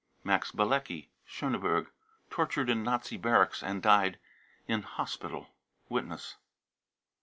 max bilecki, Schoneberg, tortured in Nazi barracks and died in hospital. (Witness.)